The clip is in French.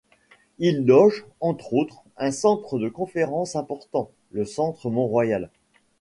Il loge, entre autres, un centre de conférence important: le Centre Mont-Royal.